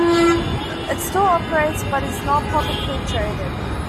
It still operates, but is not publicly traded.